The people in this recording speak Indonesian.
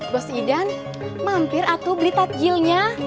bos idan mampir atu beli tatjilnya